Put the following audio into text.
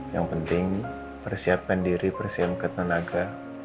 yang penting persiapkan diri persiapkan tenaga